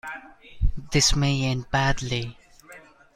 This may end badly.